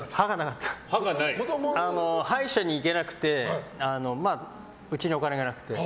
歯医者に行けなくてうちにお金がなくて。